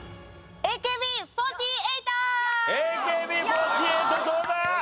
ＡＫＢ４８どうだ？